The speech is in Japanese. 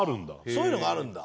そういうのがあるんだ。